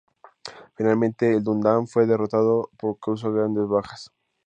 Finalmente el Dúnadan fue derrotado, pero causó grandes bajas.